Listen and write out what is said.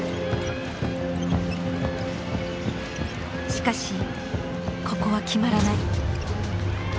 しかしここは決まらない。